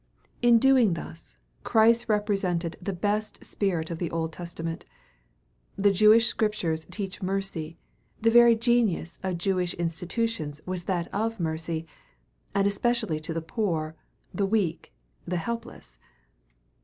In doing thus, Christ represented the best spirit of the Old Testament. The Jewish Scriptures teach mercy, the very genius of Jewish institutions was that of mercy, and especially to the poor, the weak, the helpless.